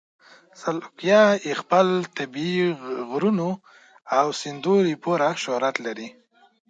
سلواکیا د خپل طبیعي غرونو او سیندونو لپاره شهرت لري.